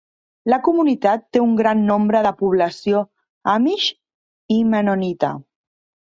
La comunitat té un gran nombre de població amish i mennonita.